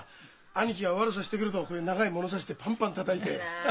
兄貴が悪さしてくるとこういう長い物差しでパンパンたたいて。